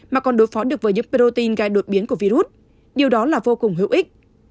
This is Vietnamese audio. mà còn đối phó được với những protein gai đột biến của virus điều đó là vô cùng hữu ích